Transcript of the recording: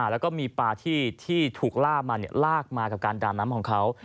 แล้วก็มีปลาที่ถูกล่ามาลากมากับการดามน้ำของเขา